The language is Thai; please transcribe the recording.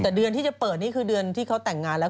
แต่เดือนที่จะเปิดนี่คือเดือนที่เขาแต่งงานแล้ว